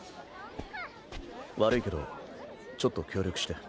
悪いけどちょっと協力して。